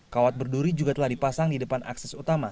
kawat berduri juga telah dipasang di depan akses utama